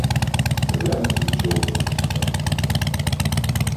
Троянці, в човни, посідавши